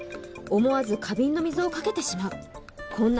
思わず花瓶の水をかけてしまうこんな